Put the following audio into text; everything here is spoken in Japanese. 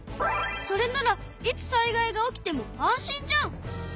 それならいつ災害が起きても安心じゃん！